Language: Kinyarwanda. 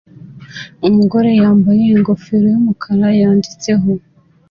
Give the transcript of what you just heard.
Umugore yambaye ingofero yumukara yanditseho